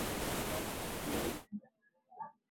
Jaji mkuu Profesa Ibrahim Juma pamoja na mawaziri mbalimbali